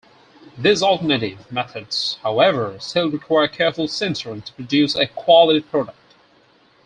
These alternative methods, however, still require careful sintering to produce a quality product.